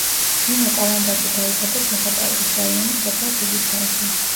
ნინო კალანდაძე დაიბადა ჩოხატაურის რაიონის სოფელ ხიდისთავში.